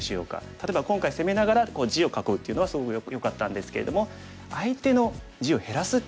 例えば今回攻めながら地を囲うっていうのはすごくよかったんですけれども相手の地を減らすっていうようなね